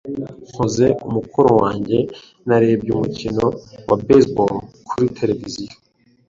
Nkoze umukoro wanjye, narebye umukino wa baseball kuri tereviziyo.